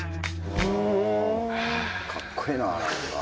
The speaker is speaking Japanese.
かっこいいな何か。